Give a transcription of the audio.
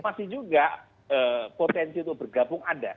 masih juga potensi untuk bergabung ada